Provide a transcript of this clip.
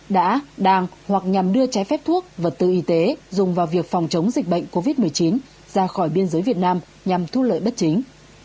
đã đang hoặc nhằm đưa trái phép thuốc vật tư y tế dùng vào việc phòng chống dịch bệnh covid một mươi chín ra khỏi biên giới việt nam nhằm thu lợi bất chính